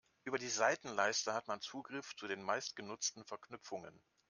Über die Seitenleiste hat man Zugriff zu den meistgenutzten Verknüpfungen.